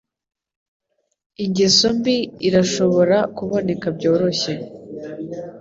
Ingeso mbi irashobora kuboneka byoroshye.